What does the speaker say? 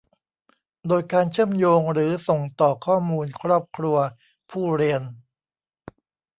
โดยการเชื่อมโยงหรือส่งต่อข้อมูลครอบครัวผู้เรียน